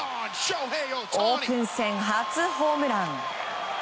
オープン戦初ホームラン。